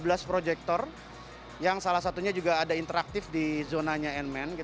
ada dua belas proyektor yang salah satunya juga ada interaktif di zonanya iron man